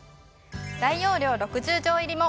大容量６０錠入りも。